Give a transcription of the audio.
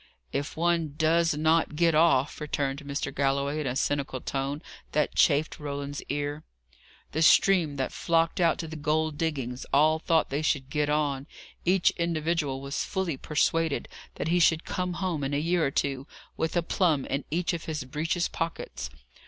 "If one does not get 'off,'" returned Mr. Galloway, in a cynical tone that chafed Roland's ear. "The stream that flocked out to the gold diggings all thought they should get on each individual was fully persuaded that he should come home in a year or two with a plum in each of his breeches pockets.